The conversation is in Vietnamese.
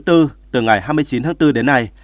từ ngày hai mươi chín bốn đến nay